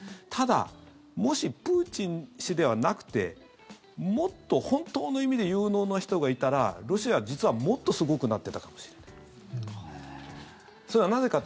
ただ、もしプーチン氏ではなくてもっと本当の意味で有能な人がいたらロシアは、実はもっとすごくなってたかもしれない。